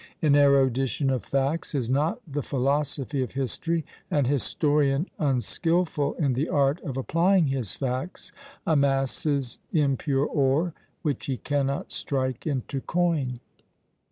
An erudition of facts is not the philosophy of history; an historian unskilful in the art of applying his facts amasses impure ore, which he cannot strike into coin.